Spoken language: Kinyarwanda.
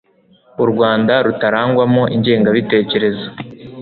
u rwanda rutarangwamo ingengabitekerezo